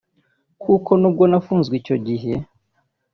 kuko n’ubwo nafunzwe icyo gihe